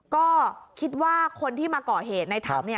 ก็คิดว่าคนที่มาก่อเหตุในถัง